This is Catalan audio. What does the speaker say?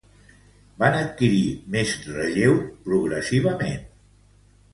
Van adquirir més relleu progressivament.